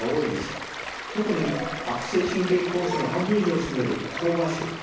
特に悪性神経膠腫の半分以上を占める膠芽腫。